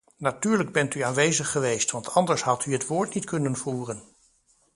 Natuurlijk bent u aanwezig geweest, want anders had u het woord niet kunnen voeren.